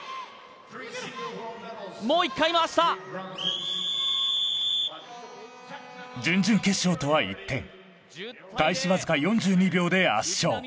もう一回回した準々決勝とは一転開始わずか４２秒で圧勝